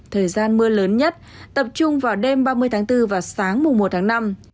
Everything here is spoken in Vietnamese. thời gian mưa lớn nhất tập trung vào đêm ba mươi tháng bốn và sáng mùa một tháng năm